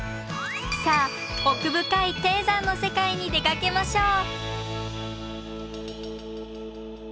さあ奥深い低山の世界に出かけましょう。